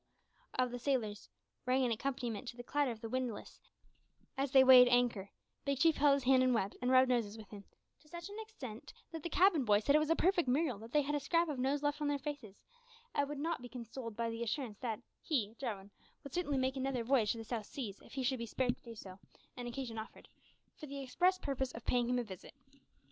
of the sailors rang an accompaniment to the clatter of the windlass as they weighed anchor, Big Chief held his hand and wept, and rubbed noses with him to such an extent that the cabin boy said it was a perfect miracle that they had a scrap of nose left on their faces and would not be consoled by the assurance that he, Jarwin, would certainly make another voyage to the South Seas, if he should be spared to do so, and occasion offered, for the express purpose of paying him a visit.